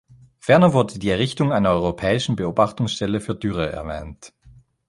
Ferner wurde die Errichtung einer europäischen Beobachtungsstelle für Dürre erwähnt.